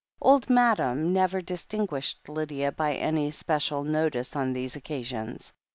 Old Madam never distinguished Lydia by any spe cial notice on these occasions.